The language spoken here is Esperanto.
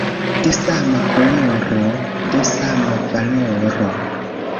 De sama koloro, de sama valoro.